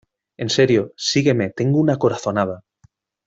En serio, sígueme, tengo una corazonada.